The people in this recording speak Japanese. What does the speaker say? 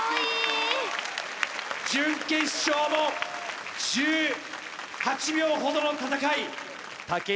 準決勝も１８秒ほどの戦い武